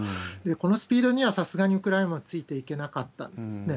このスピードにはさすがにウクライナもついていけなかったんですね。